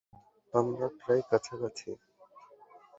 আমরা প্রায় কাছাকাছি।